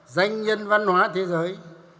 danh nhân văn hóa thế giới